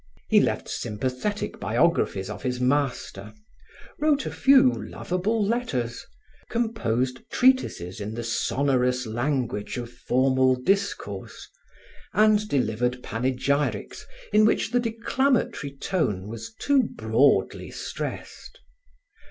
He left sympathetic biographies of his master, wrote a few loveable letters, composed treatises in the sonorous language of formal discourse, and delivered panegyrics in which the declamatory tone was too broadly stressed.